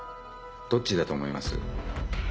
どっちだと思います？